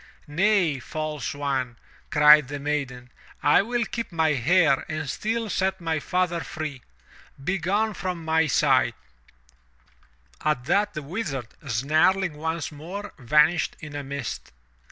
*'Nay, false one!" cried the maiden. "I will keep my hair and still set my father free! Begone from my sight!" At that, the Wizard, snarling once more, vanished in a mist.